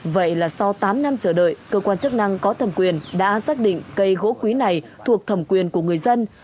vậy là sau tám năm chờ đợi cơ quan chức năng có thẩm quyền đã xác định cây gỗ quý này thuộc thẩm quyền của người dân